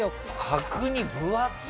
角煮分厚っ！